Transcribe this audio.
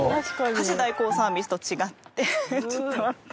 家事代行サービスと違ってちょっと待って。